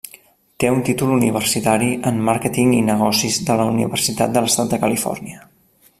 Té un títol universitari en Màrqueting i Negocis de la Universitat de l'Estat de Califòrnia.